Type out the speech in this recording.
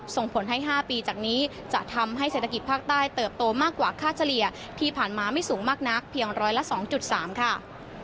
ส่งผลให้๕ปีจากนี้จะทำให้เศรษฐกิจภาคใต้เติบโตมากกว่าค่าเฉลี่ยที่ผ่านมาไม่สูงมากนักเพียงร้อยละ๒๓ค่ะ